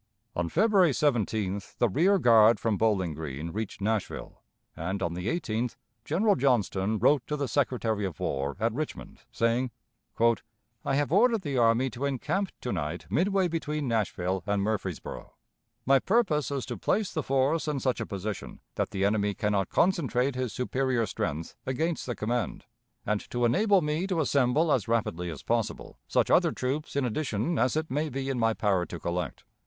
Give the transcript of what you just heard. On February 17th the rear guard from Bowling Green reached Nashville, and on the 18th General Johnston wrote to the Secretary of War at Richmond, saying: "I have ordered the army to encamp to night midway between Nashville and Murfreesboro. My purpose is to place the force in such a position that the enemy can not concentrate his superior strength against the command, and to enable me to assemble as rapidly as possible such other troops in addition as it may be in my power to collect.